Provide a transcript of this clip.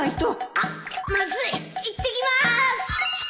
あっまずいいってきまーす